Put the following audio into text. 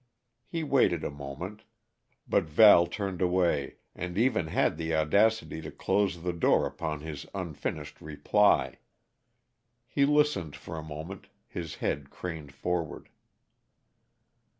He waited a moment, but Val turned away, and even had the audacity to close the door upon his unfinished reply. He listened for a moment, his head craned forward.